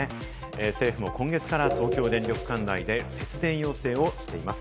政府も今月から東京電力管内で節電要請をしています。